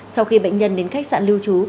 sau khi bệnh nhân đến khách sạn lưu trú